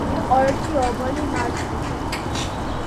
იყო ერთი ობოლი მარტვილი.